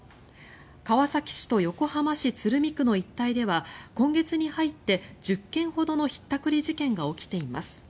川崎市と横浜市鶴見区の一帯では今月に入って１０件ほどのひったくり事件が起きています。